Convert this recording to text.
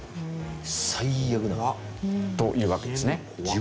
最悪だ。というわけですね。